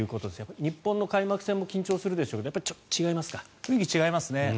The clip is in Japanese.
日本の開幕戦も緊張するでしょうけど雰囲気違いますね。